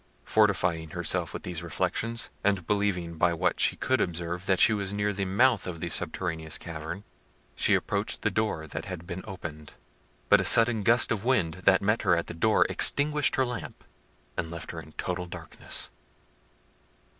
Fortifying herself with these reflections, and believing by what she could observe that she was near the mouth of the subterraneous cavern, she approached the door that had been opened; but a sudden gust of wind that met her at the door extinguished her lamp, and left her in total darkness.